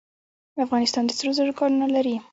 افغانستان د سرو زرو کانونه لري